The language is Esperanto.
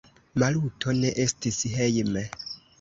Maluto ne estis hejme.